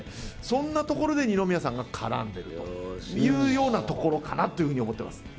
そんなところで二宮さんが絡んでるというようなところかな？と思ってます。